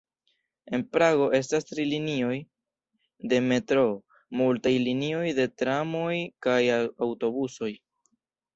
En Prago estas tri linioj de metroo, multaj linioj de tramoj kaj aŭtobusoj.